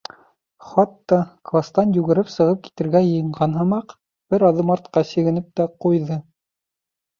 Хатта, кластан йүгереп сығып китергә йыйынған һымаҡ, бер аҙым артҡа сигенеп тә ҡуйҙы.